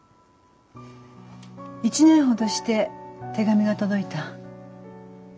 １年ほどして手紙が届いた。